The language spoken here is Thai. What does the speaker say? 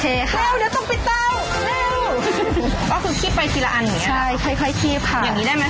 เอาคือคีบไปทีละอันเห็นไง